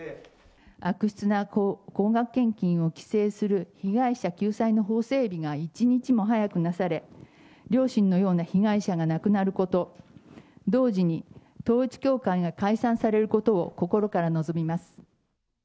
悪質な高額献金を規制する被害者救済の法整備が一日も早くなされ、両親のような被害者がなくなること、同時に統一教会が解散されることを心から望みます。